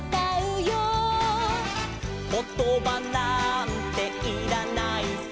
「ことばなんていらないさ」